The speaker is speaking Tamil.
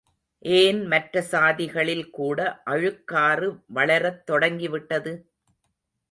ஏன் மற்ற சாதிகளில் கூட அழுக்காறு வளரத் தொடங்கிவிட்டது?